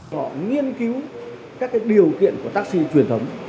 họ nghiên cứu các điều kiện của taxi truyền thống